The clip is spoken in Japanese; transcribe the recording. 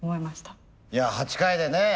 いや８回でね